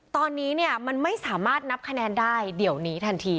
ตอนนี้เนี่ยมันไม่สามารถนับคะแนนได้เดี๋ยวนี้ทันที